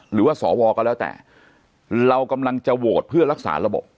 หรือว่าสวก็แล้วแต่เรากำลังจะโหวตเพื่อรักษาระบบ